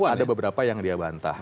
ada beberapa yang dia bantah